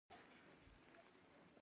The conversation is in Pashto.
زه د خپلې خاورې کلتور ته درناوی لرم.